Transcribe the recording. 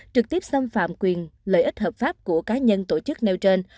trực tiếp xâm phạm quyền lợi ích hợp pháp của cá nhân tổ chức nêu trên